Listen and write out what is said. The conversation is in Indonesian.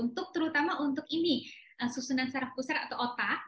terutama untuk susunan sarap kusar atau otak